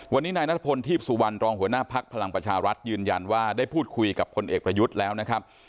วันนี้นายนัทพลทีพสุวรรณรองหัวหน้าภักดิ์พลังประชารัฐยืนยันว่าได้พูดคุยกับพลเอกประยุทธ์แล้วนะครับ